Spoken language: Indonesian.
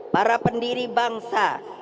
para pendiri bangsa